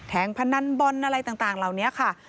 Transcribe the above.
งพนันบอลอะไรต่างเหล่านี้ค่ะ